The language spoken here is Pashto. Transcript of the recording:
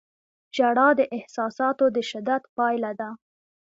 • ژړا د احساساتو د شدت پایله ده.